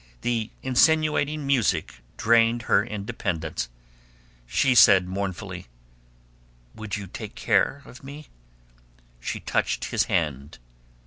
The insinuating music drained her independence. She said mournfully, "Would you take care of me?" She touched his hand.